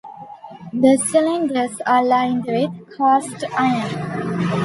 The cylinders are lined with cast iron.